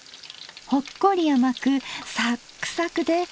ほっこり甘くサックサクで。